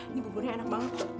ini guburnya enak banget